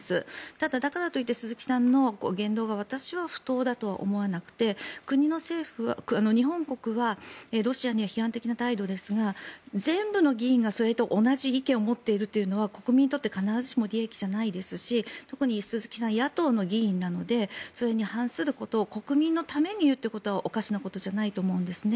ただ、だからといって鈴木さんの言動が私は不当だとは思わなくて日本国はロシアには批判的な態度ですが全部の議員がそれと同じ意見を持っているというのは国民にとって必ずしも利益じゃないですし特に鈴木さんは野党の議員なのでそれに反することを国民のために言うというのはおかしなことじゃないと思うんですね。